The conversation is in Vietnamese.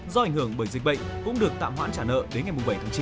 do ảnh hưởng bởi dịch bệnh cũng được tạm hoãn trả nợ đến ngày bảy tháng chín